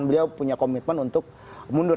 beliau punya komitmen untuk mundur